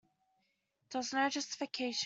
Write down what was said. There was no justification for it.